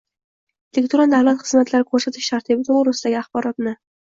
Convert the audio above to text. elektron davlat xizmatlari ko‘rsatish tartibi to‘g‘risidagi axborotni